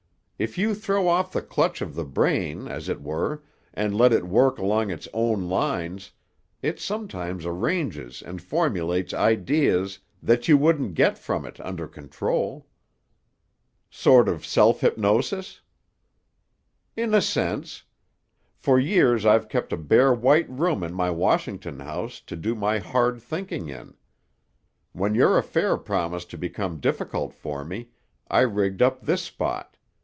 If you throw off the clutch of the brain, as it were, and let it work along its own lines, it sometimes arranges and formulates ideas that you wouldn't get from it under control." "Sort of self hypnosis?" "In a sense. For years I've kept a bare white room in my Washington house to do my hard thinking in. When your affair promised to become difficult for me, I rigged up this spot.